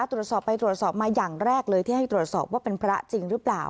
ตรวจสอบไปตรวจสอบมาอย่างแรกเลยที่ให้ตรวจสอบว่าเป็นพระจริงหรือเปล่า